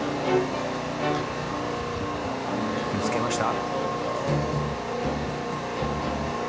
見つけました？